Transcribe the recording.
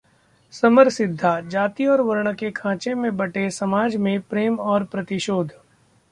समरसिद्धाः जाति और वर्ण के खांचे में बंटे समाज में प्रेम और प्रतिशोध